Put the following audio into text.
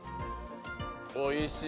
・おいしい。